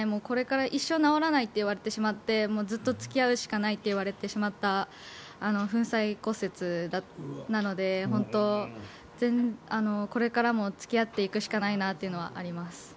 これから一生治らないといわれてしまってずっと付き合うしかないと言われてしまった粉砕骨折なのでこれからも付き合っていくしかないなというのはあります。